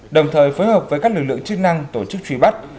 đồng thời phối hợp với các lực lượng chức năng tổ chức truy bắt